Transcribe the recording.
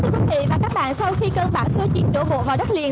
thưa quý vị và các bạn sau khi cơn bão số chín đổ bộ vào đất liền